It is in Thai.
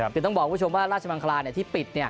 แต่ต้องบอกว่าราชมังคลาที่ปิด